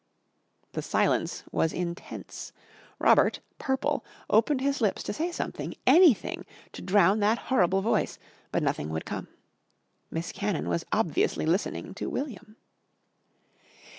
The silence was intense. Robert, purple, opened his lips to say something, anything to drown that horrible voice, but nothing would come. Miss Cannon was obviously listening to William.